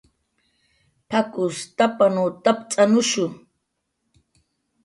"p""ak""us tapanw tapt'anushu "